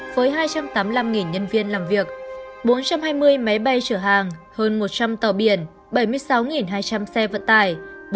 với hai trăm tám mươi năm nhân viên làm việc bốn trăm hai mươi máy bay chở hàng hơn một trăm linh tàu biển bảy mươi sáu hai trăm linh xe vận tải